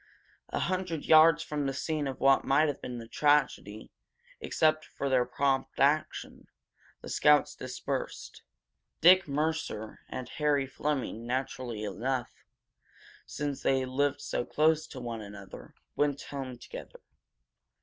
A hundred yards from the scene of what might have been a tragedy, except for their prompt action, the scouts dispersed. Dick, Mercer and Harry Fleming naturally enough, since they lived so close to one another, went home together.